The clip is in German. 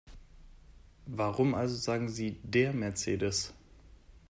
Warum also sagen Sie DER Mercedes?